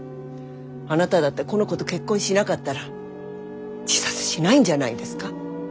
あなただってこの子と結婚しなかったら自殺しないんじゃないですか？